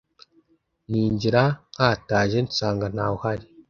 Ninjira nkataje nsanga ntawuhari